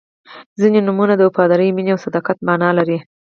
• ځینې نومونه د وفادارۍ، مینې او صداقت معنا لري.